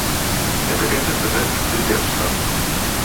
את הכסף הזה תחזיר לי עכשיו